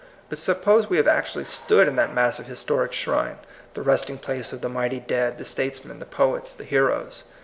But suppose we have actually stood in that massive historic shrine — the resting place of the mighty dead, the statesmen, the poets, the heroes.